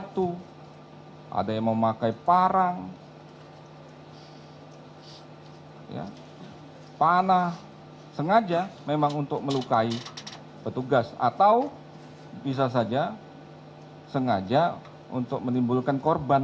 saya akan mencoba